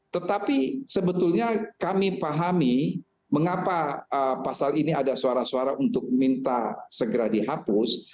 tetapi sebetulnya kami pahami mengapa pasal ini ada suara suara untuk minta segera dihapus